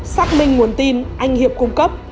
xác minh nguồn tin anh hiệp cung cấp